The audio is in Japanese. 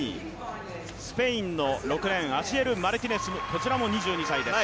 スペインのアシエル・マルティネスこちらも２２歳です。